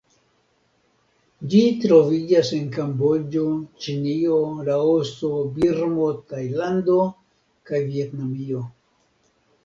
Ĝi troviĝas en Kamboĝo, Ĉinio, Laoso, Birmo, Tajlando kaj Vjetnamio.